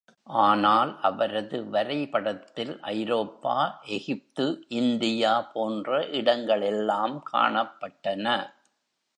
ஆனால், அவரது வரை படத்தில், ஐரோப்பா, எகிப்து இந்தியா போன்ற இடங்கள் எல்லாம் காணப்பட்டன.